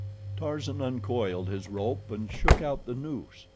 Tarzan uncoiled his rope, and shook out the noose.